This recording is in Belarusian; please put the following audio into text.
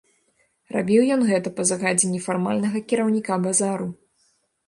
Рабіў ён гэта па загадзе нефармальнага кіраўніка базару.